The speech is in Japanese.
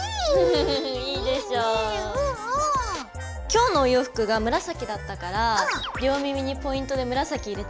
今日のお洋服が紫だったから両耳にポイントで紫入れてみた。